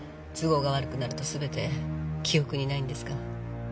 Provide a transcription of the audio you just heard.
都合が悪くなるとすべて記憶にないんですか。